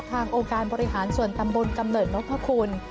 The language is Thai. ทางโอกาสบริหารส่วนตำบลกำเนิดนกพระคุณ